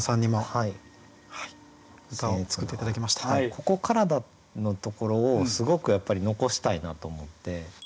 「ここからだ」のところをすごくやっぱり残したいなと思って。